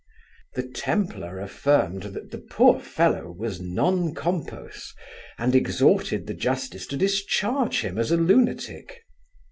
The Templar affirmed, that the poor fellow was non compos; and exhorted the justice to discharge him as a lunatic.